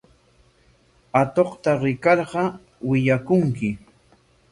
Atuqta rikarqa willakunki.